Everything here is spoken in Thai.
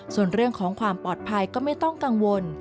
ส่วนเรื่องของความปลอดภัยก็ไม่ต้องกังวล